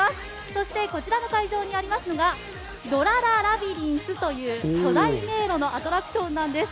そしてこちらの会場にありますのがドラ・ラ・ラビリンスという巨大迷路のアトラクションなんです。